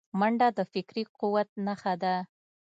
منډه د فکري قوت نښه ده